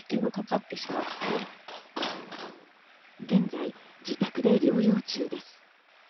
現在、自宅で療養中です。